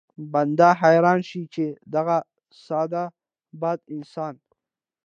بنده حيران شي چې دغه ساده باده انسان